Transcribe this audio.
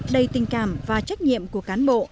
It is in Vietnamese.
đầy tình cảm và trách nhiệm của cán bộ